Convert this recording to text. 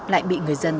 lại bị người dân